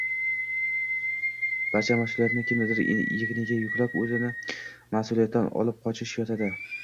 barcha mas’uliyatni kimnidir egniga yuklab, o‘zini mas’uliyatdan olib qochish yotadi.